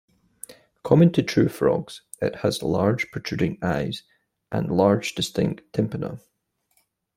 Common to the true frogs, it has large, protruding eyes, and large, distinct tympana.